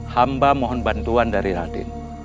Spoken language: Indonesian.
hamba mohon bantuan dari radin